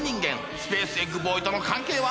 スペーシーエッグボーイとの関係は？